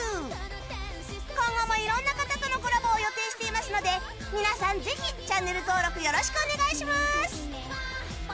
今後も色んな方とのコラボを予定していますので皆さんぜひチャンネル登録よろしくお願いします！